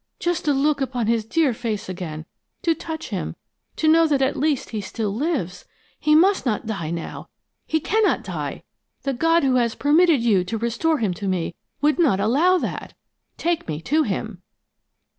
Just to look upon his dear face again, to touch him, to know that at least he still lives! He must not die, now; he cannot die! The God who has permitted you to restore him to me, would not allow that! Take me to him!"